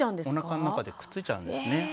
おなかの中でくっついちゃうんですね。